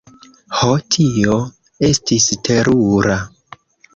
Ho, tio estis terura!